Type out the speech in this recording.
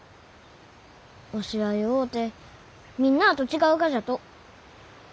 わしは弱うてみんなあと違うがじゃと。